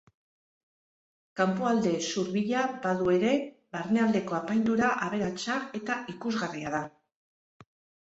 Kanpoalde zurbila badu ere barnealdeko apaindura aberatsa eta ikusgarria da.